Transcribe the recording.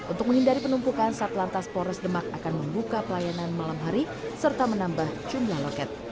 untuk menghindari penumpukan satlantas polres demak akan membuka pelayanan malam hari serta menambah jumlah loket